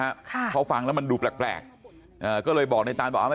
อ่าเขาฟังแล้วมันดูแปลกก็เลยบอกในตานไป